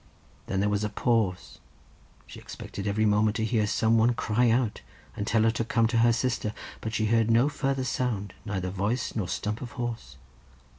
Then there was a pause—she expected every moment to hear some one cry out, and tell her to come to her sister, but she heard no farther sound, neither voice nor stump of horse.